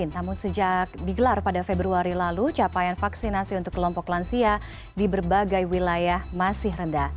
namun sejak digelar pada februari lalu capaian vaksinasi untuk kelompok lansia di berbagai wilayah masih rendah